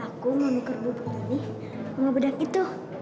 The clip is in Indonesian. aku mau nuker bubuk ini sama bedak itu